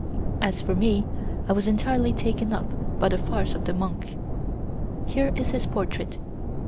As for me, I was entirely taken up by the face of the monk. Here is his portrait.